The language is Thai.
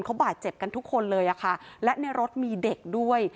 เขาบาดเจ็บกันทุกคนเลยอะค่ะและในรถมีเด็กด้วย